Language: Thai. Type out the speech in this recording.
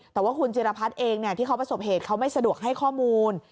แต่ว่าคุณจิรพัฒน์เองที่เขาประสบเหตุเขาไม่สะดวกให้ข้อมูล